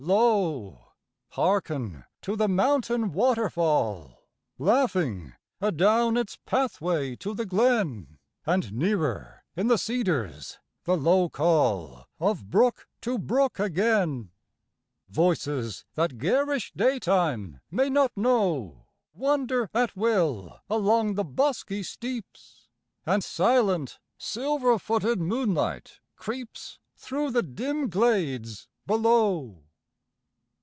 Lo ! Hearken to the mountain waterfall Laughing adown its pathway to the glen And nearer, in the cedars, the low call Of brook to brook again; Voices that garish daytime may not know Wander at will along the bosky steeps, And silent, silver footed moonlight creeps Through the dim glades below.